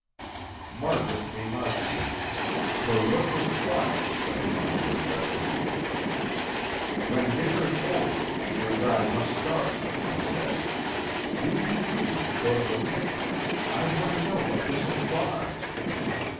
Margaret came out to him. Her look was quiet but he knew her resolute. "When dinner's over, Peter and I must start," he said. "You refused to go to the Mission. I want to know what this implies."